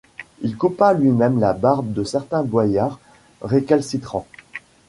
Il coupa lui-même la barbe de certains Boyards récalcitrants.